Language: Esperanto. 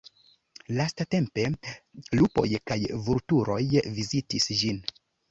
Lastatempe, lupoj kaj vulturoj vizitis ĝin.